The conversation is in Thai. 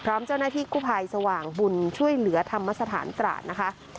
เจ้าหน้าที่กู้ภัยสว่างบุญช่วยเหลือธรรมสถานตราดนะคะ